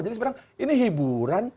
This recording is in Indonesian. jadi sebenarnya ini hiburan